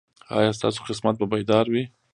ایا ستاسو قسمت به بیدار وي؟